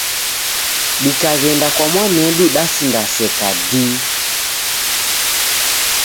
Dikaghenda kwa mwanedu dasindaseka dii.